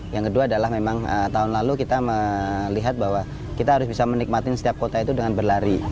yang kedua adalah memang tahun lalu kita melihat bahwa kita harus bisa menikmati setiap kota itu dengan berlari